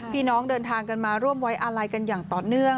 พี่น้องเดินทางกันมาร่วมไว้อาลัยกันอย่างต่อเนื่อง